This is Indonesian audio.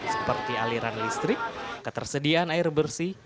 seperti aliran listrik ketersediaan air bersih